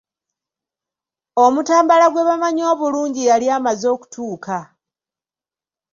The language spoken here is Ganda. Omutambala gwe bamanyi obulungi yali amaze okutuuka.